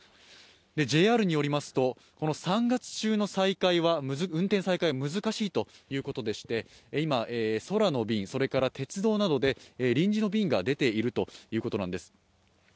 ＪＲによりますとこの３月中の運転再開は難しいということでして今、空の便、それから鉄道などで臨時の便が出ているということなんです。